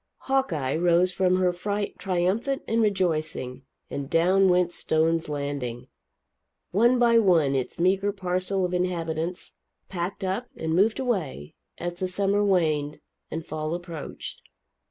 Hawkeye rose from her fright triumphant and rejoicing, and down went Stone's Landing! One by one its meagre parcel of inhabitants packed up and moved away, as the summer waned and fall approached.